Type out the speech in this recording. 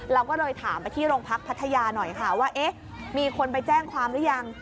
เราก็เลยถามไปที่โรงพักพัทยาหน่อยค่ะว่าเอ๊ะมีคนไปแจ้งความหรือยัง